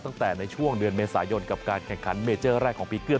ตั้งแต่ในช่วงเดือนเมษายนกับการแข่งขันเมเจอร์แรกของปีเกลือ